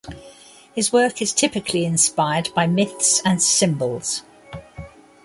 His work is typically inspired by myths and symbols.